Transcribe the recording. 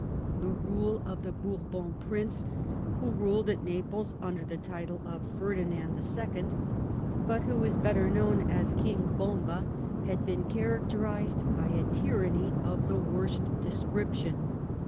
The rule of the Bourbon prince, who ruled at Naples under the title of Ferdinand DECLINE AND FALL OF EIS SYSTE3L 183 II., but who is better known as King Boniba, had been characterised by a tyranny of the worst description.